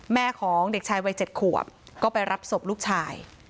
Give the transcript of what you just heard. แม่ของเด็กชายวัย๗ขวบก็ไปรับศพลูกชาย